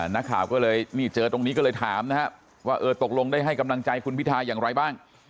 นักข่าวก็เลยนี่เจอตรงนี้ก็เลยถามนะครับว่าเออตกลงได้ให้กำลังใจคุณพิทาอย่างไรบ้าง